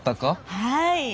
はい。